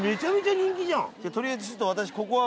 とりあえずちょっと私この場所は。